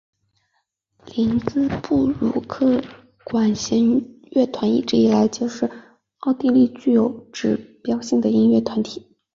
林兹布鲁克纳管弦乐团一直以来皆是奥地利具有指标性的音乐团体。